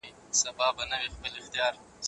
ايا په کور کي خدمت له جهاد سره برابر دی؟